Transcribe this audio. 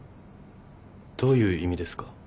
どういう意味ですか？